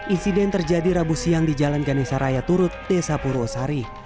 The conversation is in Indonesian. insiden terjadi rabu siang di jalan ganesa raya turut desa purwosari